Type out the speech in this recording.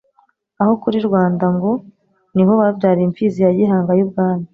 Aho kuri Rwanda ngo niho babyariye imfizi ya Gihanga y'Ubwami